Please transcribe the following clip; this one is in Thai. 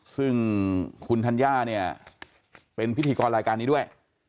ซึ่งคุณธัญญาเนี่ยเป็นพิธีกรรายการนี้ด้วย